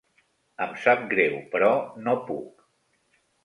Em sap greu, però no puc.